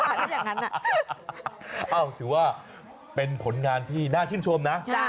ถือว่าแหวะเป็นผลงานที่นะชื่นชงนะ